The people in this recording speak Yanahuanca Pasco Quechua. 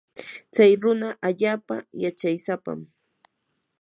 chay runa allaapa yachaysapam.